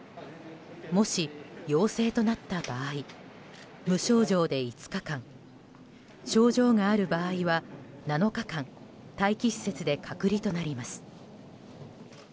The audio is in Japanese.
もし、陽性となった場合無症状で５日間症状がある場合は７日間待機施設で隔離となります。